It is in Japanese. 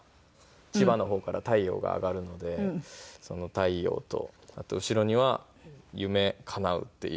千葉の方から太陽が上がるのでその太陽とあと後ろには「夢叶」っていう。